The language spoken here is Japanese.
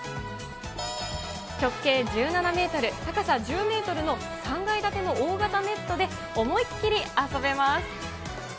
直径１７メートル、高さ１０メートルの３階建ての大型ネットで、思いっきり遊べます。